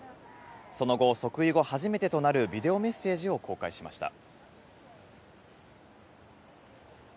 その後、即位後初めてとなるビデオメッセージを公開しました。